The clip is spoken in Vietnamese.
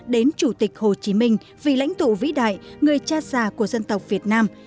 đến chủ tịch hồ chí minh vì lãnh tụ vĩ đại người cha già của dân tộc việt nam